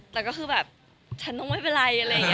แต่ก็ที่จะต้องไม่เป็นไร